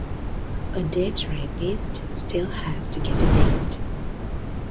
A date rapist still has to get a "date"!